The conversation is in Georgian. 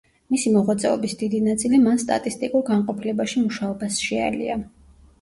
მისი მოღვაწეობის დიდი ნაწილი მან სტატისტიკურ განყოფილებაში მუშაობას შეალია.